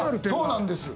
そうなんです。